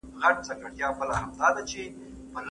چي دا عرض به مي څوک یوسي تر سلطانه